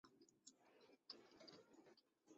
小紫果槭为槭树科槭属下的一个变种。